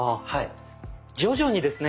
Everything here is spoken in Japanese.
徐々にですね